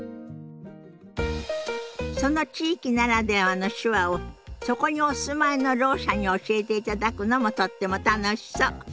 その地域ならではの手話をそこにお住まいのろう者に教えていただくのもとっても楽しそう。